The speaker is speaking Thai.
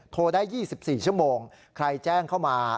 โทรได้๒๔ชั่วโมงใครแจ้งเข้ามา